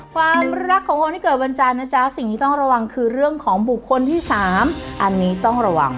ความรักของคนที่เกิดวันจันทร์นะจ๊ะสิ่งที่ต้องระวังคือเรื่องของบุคคลที่๓อันนี้ต้องระวัง